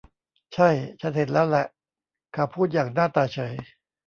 ใช่ ฉันเห็นแล้วแหละ เขาพูดอย่างหน้าตาเฉย